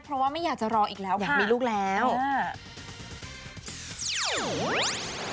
เพราะว่าไม่อยากจะรออีกแล้วอยากมีลูกแล้วอ่า